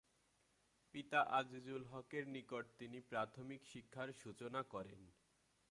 পিতা আজিজুল হকের নিকট তিনি প্রাথমিক শিক্ষার সূচনা করেন।